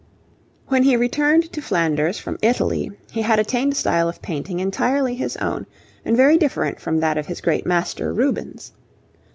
When he returned to Flanders from Italy, he had attained a style of painting entirely his own and very different from that of his great master, Rubens.